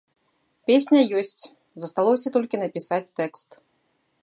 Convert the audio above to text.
Песня ёсць, засталося толькі напісаць тэкст.